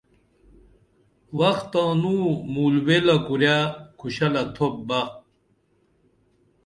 وخ تانوں مُول ویلہ کُریہ کھوشلہ تُھوپ بہ